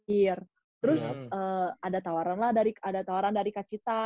terus ada tawaran lah dari kak cita